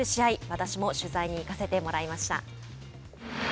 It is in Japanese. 私も取材に行かせてもらいました。